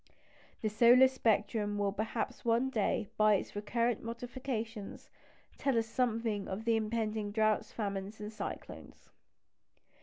The solar spectrum will perhaps one day, by its recurrent modifications, tell us something of impending droughts, famines, and cyclones.